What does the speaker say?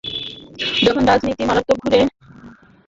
যখন রাজনীতি মারাত্মক ভুলের পথে চলে, তখন সঠিক কথা বলা বিপজ্জনক।